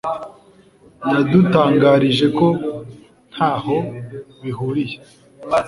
yadutangarije ko ‘ntaho bihuriye’